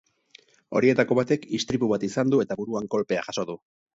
Horietako batek istripu bat izan du eta buruan kolpea jaso du.